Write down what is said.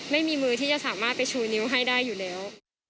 ไม่มีมือที่จะสามารถไปชูนิ้วให้ได้อยู่แล้ว